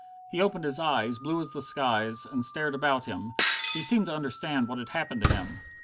He opened his eyes, blue as the skies, and stared about him. He seemed to understand what had happened to him.